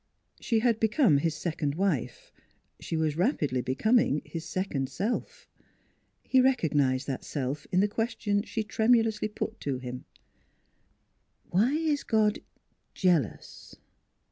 She had become his sec ond wife; she was rapidly becoming his second self. He recognized that self in the question she tremulously put to him : "Why is God jealous?"